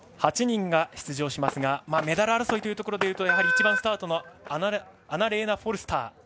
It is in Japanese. ８人が出場しますがメダル争いでいうとやはり１番スタートのアナレーナ・フォルスター。